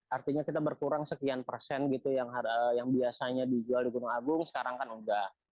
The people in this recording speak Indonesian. artinya kita berkurang sekian persen gitu yang biasanya dijual di gunung agung sekarang kan udah